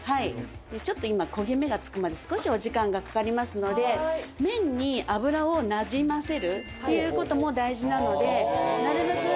ちょっと今焦げ目がつくまで少しお時間がかかりますので面に油をなじませるっていうことも大事なのでなるべく